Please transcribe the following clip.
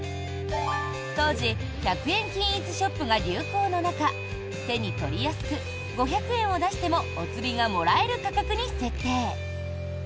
当時、１００円均一ショップが流行の中、手に取りやすく５００円を出してもお釣りがもらえる価格に設定。